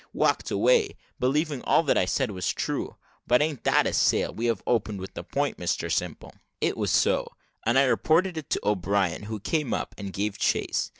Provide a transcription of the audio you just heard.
walked away, believing all I said was true; but a'n't that a sail we have opened with the point, Mr Simple?" It was so, and I reported it to O'Brien, who came up, and gave chase.